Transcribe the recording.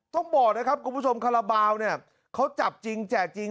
ต้องบอกนะครับคุณผู้ชมคาราบาลเนี่ยเขาจับจริงแจกจริง